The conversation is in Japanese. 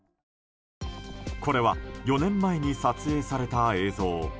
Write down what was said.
これは４年前に撮影された映像。